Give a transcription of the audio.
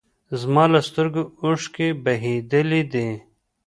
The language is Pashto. زما له سترګو اوښکې بهېدلي دي